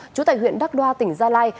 chú tại huyện đắc đoa tỉnh gia lai